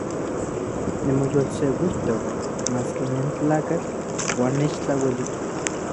Nimoyolseuijtok maski nentlakatl uan nechtlauelita.